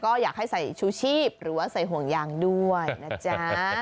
ก็อยากให้ใส่ชูชีพหรือว่าใส่ห่วงยางด้วยนะจ๊ะ